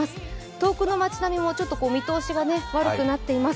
遠くの街並みも見通しが悪くなっています。